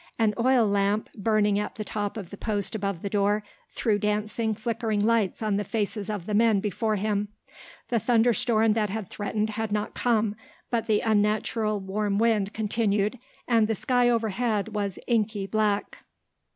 An oil lamp, burning at the top of the post above the door, threw dancing, flickering lights on the faces of the men before him. The thunder storm that had threatened had not come, but the unnatural warm wind continued and the sky overhead was inky black.